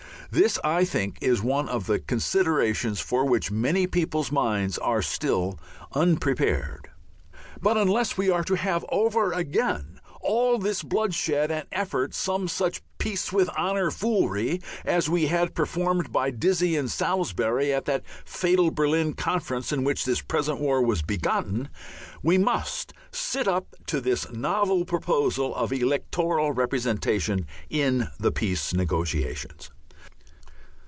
This, I think, is one of the considerations for which many people's minds are still unprepared. But unless we are to have over again after all this bloodshed and effort some such "Peace with Honour" foolery as we had performed by "Dizzy" and Salisbury at that fatal Berlin Conference in which this present war was begotten, we must sit up to this novel proposal of electoral representation in the peace negotiations.